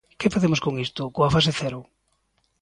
¿Que facemos con isto, coa fase cero?